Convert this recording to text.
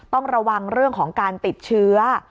ต้องระวังเรื่องของการติดเชื้อ